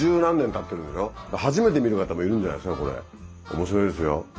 面白いですよ。